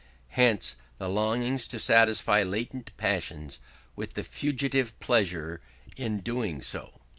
Hence the longing to satisfy latent passions, with the fugitive pleasure in doing so.